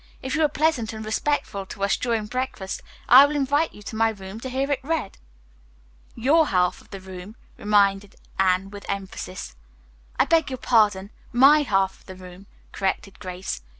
"If you are pleasant and respectful to us during breakfast, I will invite you to my room to hear it read." "Your half of the room," reminded Anne, with emphasis. "I beg your pardon, my half of the room," corrected Grace.